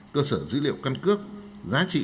cơ sở dữ liệu căn cước giá trị